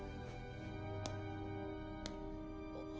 あっ。